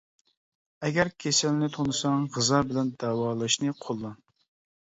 ئەگەر كېسەلنى تونۇساڭ غىزا بىلەن داۋالاشنى قوللان.